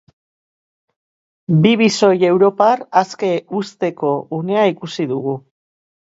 Bi bisoi europar aske uzteko unea ikusiko dugu.